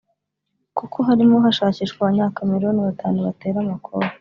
kuko harimo hashakishwa Abanyakameruni batanu batera amakofi